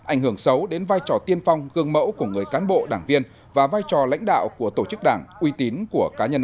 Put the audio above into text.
ảnh hưởng xấu đến vai trò tiên phong gương mẫu của người cán bộ đảng viên và vai trò lãnh đạo của tổ chức đảng uy tín của cá nhân